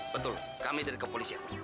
betul kami dari kepolisian